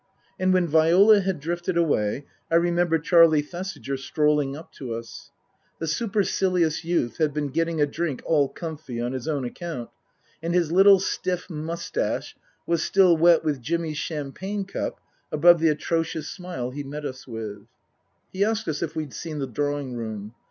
And when Viola had drifted away, I remember Charlie Thesiger strolling up to us. The supercilious youth had been getting a drink " all comfy " on his own account, and his little stiff moustache was still wet with Jimmy's champagne cup above the atrocious smile he met us with. He asked us if we'd seen the drawing room.